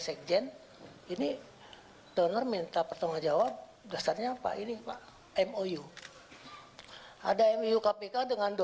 sekjen ini donor minta pertanggung jawab dasarnya apa ini pak mou ada mou kpk dengan